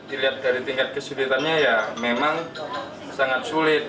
dilihat dari tingkat kesulitannya ya memang sangat sulit